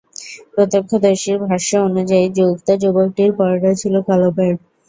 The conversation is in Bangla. প্রত্যক্ষদর্শীর ভাষ্য অনুযায়ী উক্ত যুবকটির পরনে ছিল কালো প্যান্ট।